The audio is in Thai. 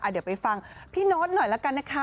เดี๋ยวไปฟังพี่โน๊ตหน่อยละกันนะคะ